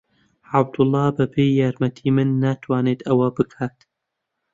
عەبدوڵڵا بەبێ یارمەتیی من ناتوانێت ئەوە بکات.